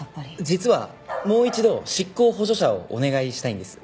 実はもう一度執行補助者をお願いしたいんです。